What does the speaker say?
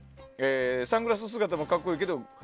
サングラス姿も格好いいけど。